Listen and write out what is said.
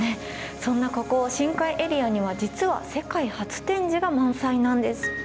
そんなここ深海エリアには実は世界初展示が満載なんです。